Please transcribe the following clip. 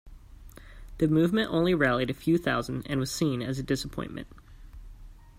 The movement only rallied a few thousand and was seen as a disappointment.